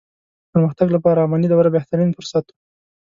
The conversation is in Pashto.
د پرمختګ لپاره اماني دوره بهترين فرصت وو.